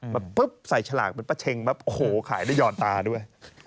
มาปุ๊บใส่ฉลากเป็นประเชงแบบโอ้โหขายได้ยอดตาด้วย